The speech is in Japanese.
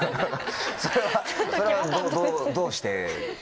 それはどうして？